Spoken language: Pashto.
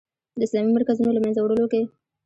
د اسلامي مرکزونو له منځه وړلو کې.